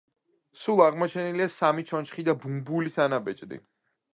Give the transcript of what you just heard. სულ აღმოჩენილია სამი ჩონჩხი და ბუმბულის ანაბეჭდი.